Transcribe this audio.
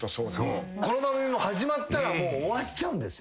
この番組も始まったら終わっちゃうんですよ。